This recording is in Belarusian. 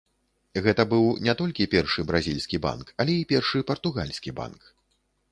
Гэта быў не толькі першы бразільскі банк, але і першы партугальскі банк.